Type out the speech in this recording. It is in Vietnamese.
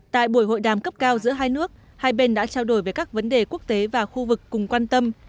tại buổi hội đàm cấp cao giữa hai nước hai bên đã trao đổi về các vấn đề quốc tế và khu vực cùng quan tâm